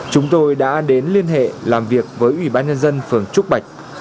chúng tôi đã đến liên hệ làm việc với ủy ban nhân dân phường trúc bạch